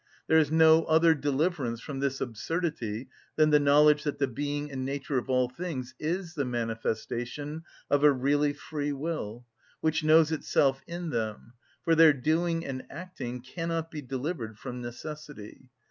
There is no other deliverance from this absurdity than the knowledge that the being and nature of all things is the manifestation of a really free will, which knows itself in them; for their doing and acting cannot be delivered from necessity.